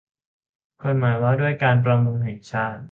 กฎหมายว่าด้วยการประมงแห่งชาติ